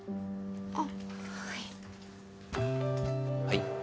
あっはい。